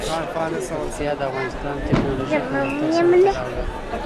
پکتیا د افغانستان د تکنالوژۍ پرمختګ سره تړاو لري.